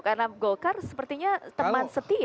karena golkar sepertinya teman setia